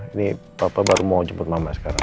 ini papa baru mau jemput mama sekarang